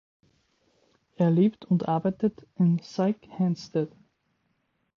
Er lebt und arbeitet in Syke-Henstedt.